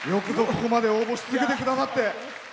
ここまで応募し続けてくださって。